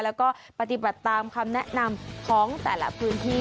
แล้วก็ปฏิบัติตามคำแนะนำของแต่ละพื้นที่